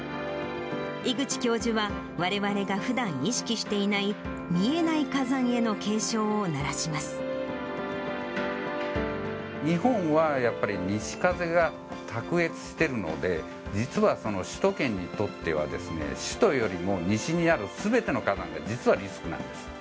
井口教授は、われわれがふだん意識していない見えない火山への警鐘を鳴らしま日本はやっぱり西風が卓越してるので、実は首都圏にとっては、首都よりも西にある、すべての火山が実はリスクなんです。